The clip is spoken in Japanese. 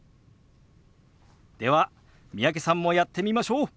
では三宅さんもやってみましょう。